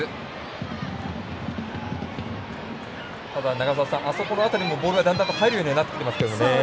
永里さん、あそこの辺りにもボールがだんだんと入るようになってきましたね。